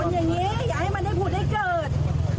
อย่างนี้อย่าให้มันได้ผุดได้เกิด